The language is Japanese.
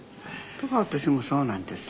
だから私もそうなんです。